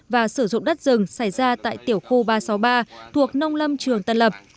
và sử dụng đất rừng xảy ra tại tiểu khu ba trăm sáu mươi ba thuộc nông lâm trường tân lập